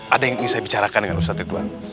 ada yang ingin saya bicarakan dengan ustadz ridwan